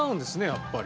やっぱり。